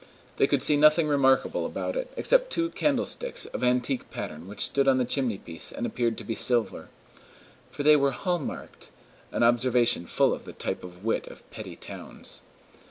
They could see nothing remarkable about it, except two candlesticks of antique pattern which stood on the chimney piece and appeared to be silver, "for they were hall marked," an observation full of the type of wit of petty towns.